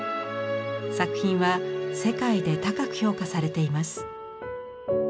作品は世界で高く評価されています。